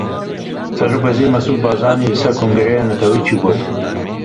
Serokwezîr Mesrûr Barzanî li ser Kongreya Netewî çi got?